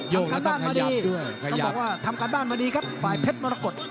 ยกแล้วต้องขยับด้วยขยับต้องบอกว่าทำการบ้านมาดีครับฝ่ายเพชรมรกฎ